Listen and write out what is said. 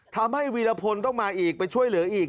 วีรพลต้องมาอีกไปช่วยเหลืออีก